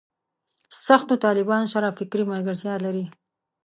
سختو طالبانو سره فکري ملګرتیا لري.